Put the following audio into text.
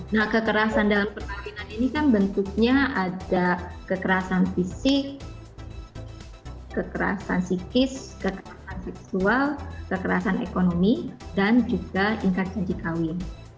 nah kekerasan dalam perkawinan ini kan bentuknya ada kekerasan fisik kekerasan psikis kekerasan seksual kekerasan ekonomi dan juga tingkat janji kawin